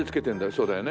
そうだよね。